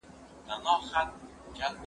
زه له سهاره پاکوالي ساتم؟!